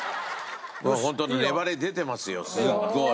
ホント粘り出てますよすっごい。